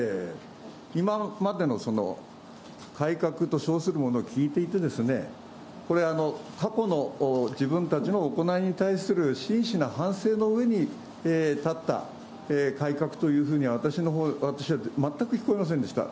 今までの改革と称するものを聞いていて、これ、過去の自分たちの行いに対する真摯な反省の上に立った改革というふうに私は全く聞こえませんでした。